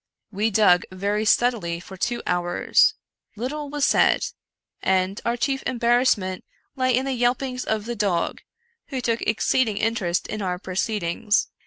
We dug very steadily for two hours. Little was said ; and our chief embarrassment lay in the yelpings of the dog, who took exceeding interest in our proceedings.